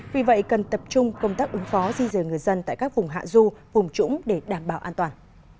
vì vậy cần tập trung công tác ứng phó di dời người dân tại các vùng hạ du vùng trũng để đảm bảo an toàn